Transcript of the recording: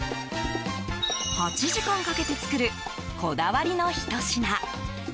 ８時間かけて作るこだわりのひと品。